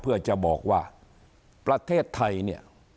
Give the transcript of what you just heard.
เขาก็ไปร้องเรียน